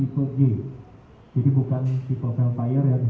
pertama di mana mobil dengan merk toyota alphard tipe g